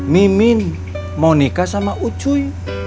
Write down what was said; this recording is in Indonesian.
mimin mau nikah sama ucuy